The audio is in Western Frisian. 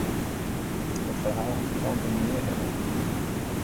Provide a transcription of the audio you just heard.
It ferhaal hat de krante nea helle.